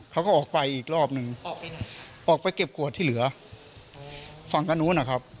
เขาก็ออกไปอีกรอบหนึ่งออกไปไหนออกไปเก็บขวดที่เหลือฝั่งกันนู้นนะครับ